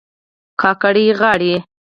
کاکړۍ غاړي